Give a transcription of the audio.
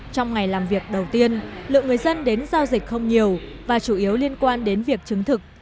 trong ngày làm việc đầu tiên lượng người dân đến giao dịch không nhiều và chủ yếu liên quan đến việc chứng thực